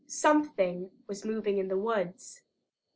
Something was moving in the woods.